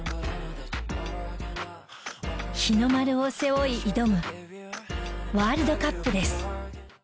日の丸を背負い挑むワールドカップです。